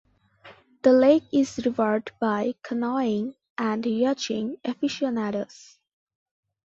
The lake is revered by canoeing and yachting aficionados.